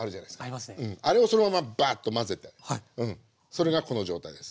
それがこの状態です。